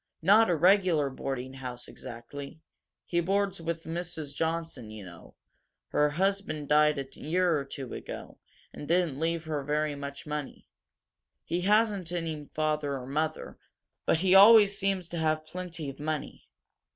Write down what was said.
Not a regular boarding house, exactly. He boards with Mrs. Johnson, you know. Her husband died a year or two ago, and didn't leave her very much money. He hasn't any father or mother, but he always seems to have plenty of money.